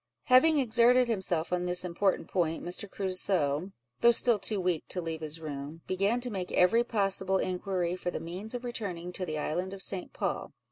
Having exerted himself on this important point, Mr. Crusoe (though still too weak to leave his room) began to make every possible inquiry for the means of returning to the island of St. Paul.